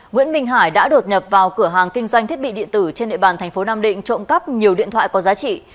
nguyễn minh hải đã đột nhập vào cửa hàng kinh doanh thiết bị điện tử trên địa bàn thành phố nam định trộm cắp nhiều điện thoại có giá trị